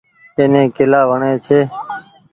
ايني ڪيلآ وڻي ڇي۔